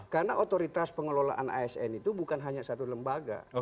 karena otoritas pengelolaan asn itu bukan hanya satu lembaga